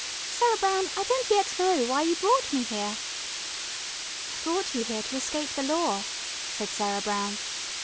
Sarah Brown, I don't yet know why you brought me here." "I brought you here to escape the Law," said Sarah Brown.